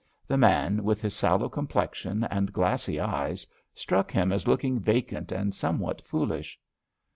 The man, with his sallow complexion and glassy eyes, struck him as looking vacant and somewhat foolish.